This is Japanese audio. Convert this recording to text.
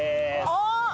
あっ！